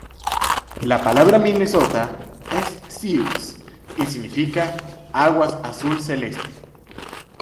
La palabra "Minnesota" es siux y significa 'aguas azul celeste'.